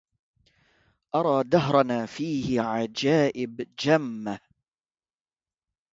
أرى دهرنا فيه عجائب جمة